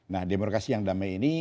nah demokrasi yang damai ini